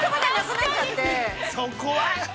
◆そこは。